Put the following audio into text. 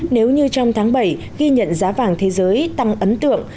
nếu như trong tháng bảy ghi nhận giá vàng thế giới tăng ấn tượng